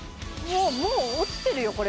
もうもう落ちてるよ